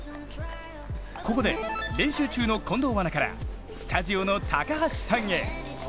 ここで練習中の近藤アナからスタジオの高橋さんへ。